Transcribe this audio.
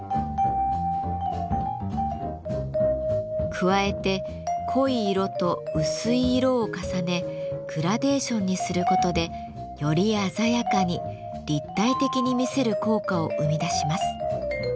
加えて濃い色と薄い色を重ねグラデーションにすることでより鮮やかに立体的に見せる効果を生み出します。